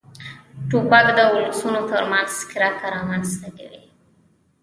توپک د ولسونو تر منځ کرکه رامنځته کوي.